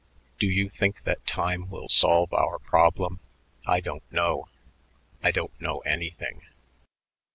Do you think that time will solve our problem? I don't know. I don't know anything."